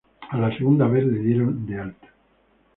A la segunda vez, le dieron de alta.